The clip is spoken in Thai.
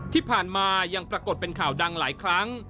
ที่ผ่านมายังปรากฏเป็นข่าวดังหลายครั้ง